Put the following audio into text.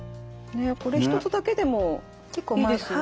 これ一つだけでもいいですよね。